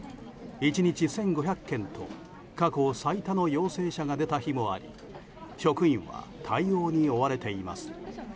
１日１５００件と過去最高の陽性者が出た日もあり職員は対応に追われています。